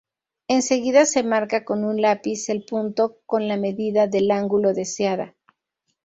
Enseguida se marca con un lápiz el punto con la medida del ángulo deseada.